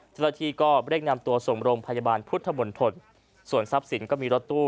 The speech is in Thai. เจ้าหน้าที่ก็เร่งนำตัวส่งโรงพยาบาลพุทธมนตรส่วนทรัพย์สินก็มีรถตู้